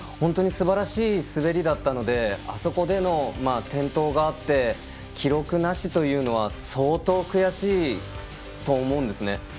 すばらしい滑りだったのであそこでの転倒があって記録なしというのは相当悔しいと思うんですね。